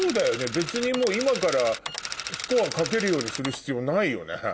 別に今からスコア書けるようにする必要ないよね。